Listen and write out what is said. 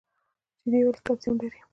شیدې ولې کلسیم لري؟